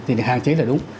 thì hạn chế là đúng